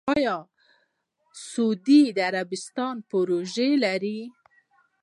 آیا سعودي عربستان پروژې لري؟